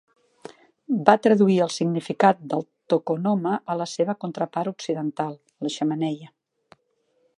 Va traduir el significat del "tokonoma" a la seva contrapart occidental: la xemeneia.